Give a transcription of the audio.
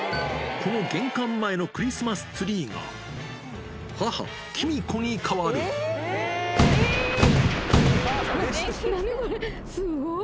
この玄関前のクリスマスツリーが、母、何これ、すごい。